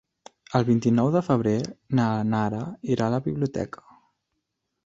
El vint-i-nou de febrer na Nara irà a la biblioteca.